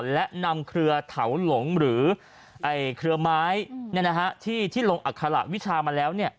และนำเครือเถาหลงหรือเครือไม้ที่ลงอัคระวิชามาแล้ว